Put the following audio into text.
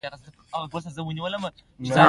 له بد څخه بدتر ته پناه وړل حل نه دی.